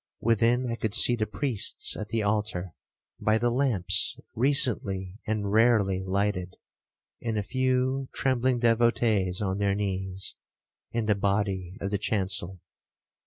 Within I could see the priests at the altar, by the lamps recently and rarely lighted, and a few trembling devotees on their knees, in the body of the chancel.